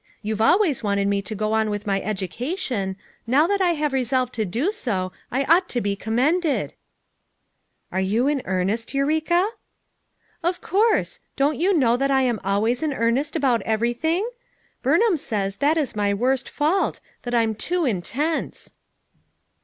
You've always wanted me to go on with my education ; now that I have resolved to do so I ought to be com mended." FOUR MOTHERS AT CHAUTAUQUA 79 "Are you in earnest, Eureka?" "Of course. Don't you know that I am al ways in earnest about everything? Rurnham says that is my worst fault; that I'm too in tense."